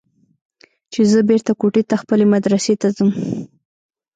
چې زه بېرته کوټې ته خپلې مدرسې ته ځم.